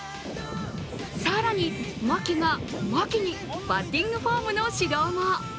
更に、牧が、牧にバッティングフォームの指導も。